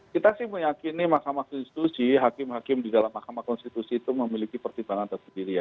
kita sih meyakini mahkamah konstitusi hakim hakim di dalam mahkamah konstitusi itu memiliki pertimbangan tersendiri ya